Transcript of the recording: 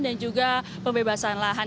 dan juga pembebasan lahan